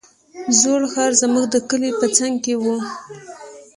زوړ ښار زموږ د کلي په څنگ کښې و.